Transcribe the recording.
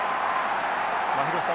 廣瀬さん